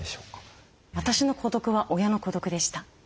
私の孤独は親の孤独でした。